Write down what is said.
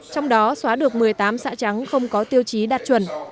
trong đó xóa được một mươi tám xã trắng không có tiêu chí đạt chuẩn